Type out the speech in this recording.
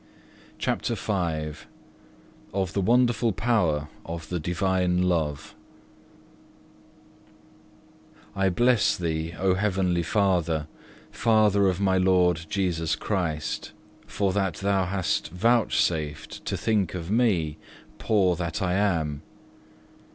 CHAPTER V Of the wonderful power of the Divine Love I bless Thee, O Heavenly Father, Father of my Lord Jesus Christ, for that Thou hast vouchsafed to think of me, poor that I am.